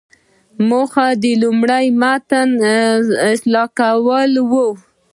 موخه د لومړني متن اصلاح کول وو.